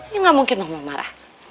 ya gak mungkin mama marah